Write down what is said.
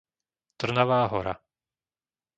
Trnavá Hora